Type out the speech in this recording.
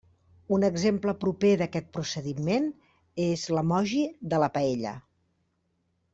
Un exemple proper d'aquest procediment és l'emoji de la paella.